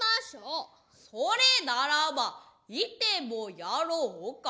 それならば行てもやろうか。